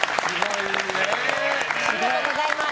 ありがとうございます。